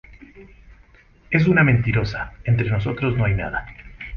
es una mentirosa. entre nosotros no hay nada.